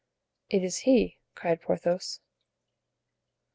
"It is he!" cried Porthos.